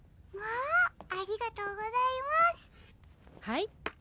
はい。